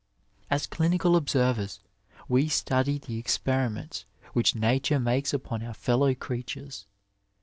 As clinical observers, we study the experiments which Nature makes upon our fellow creatures.